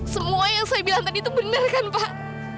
semua yang saya bilang tadi itu benar kan pak